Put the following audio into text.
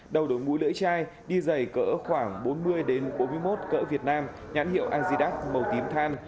đầu đổi mũi lưỡi chai đi dày cỡ khoảng bốn mươi bốn mươi một cỡ việt nam nhãn hiệu anzidat màu tím than